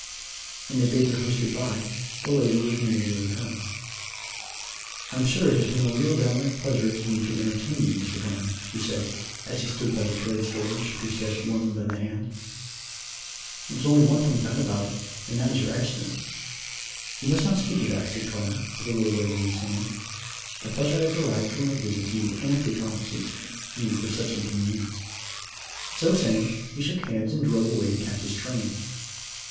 When they bade their host good bye, the later was nearly overcome. "I'm sure it has been a real downright pleasure to me to entertain you, Mr. Carne," he said, as he stood by the carriage door and shook his guest warmly by the hand. "There is only one thing bad about it, and that is your accident." "You must not speak of that," said Carne, with a little wave of his hand. "The pleasure I have derived from my visit to you amply compensates me for such a minor inconvenience." So saying he shook hands and drove away to catch his train.